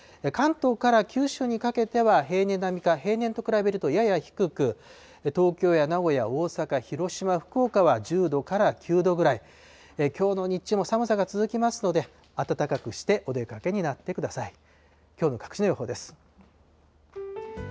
関東から九州にかけては平年並みか、平年と比べるとやや低く、東京や名古屋、大阪、広島、福岡は１０度から９度くらい、きょうの日中も寒さが続きますので、暖かくしてお出かけになってください。